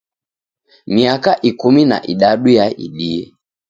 Miaka ikumi na idadu yaidie.